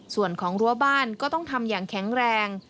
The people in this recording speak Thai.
ส่วนของรั้วบ้านก็ต้องทำอย่างแข็งแรง